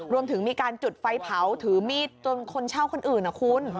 รวมถึงมีการจุดไฟเผาถือมีดจนคนเช่าคนอื่นนะคุณ